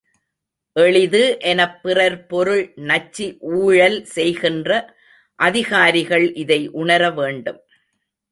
எளிது எனப் பிறர் பொருள் நச்சி ஊழல் செய்கின்ற அதிகாரிகள் இதை உணர வேண்டும்.